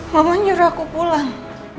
mama nyuruh aku pulang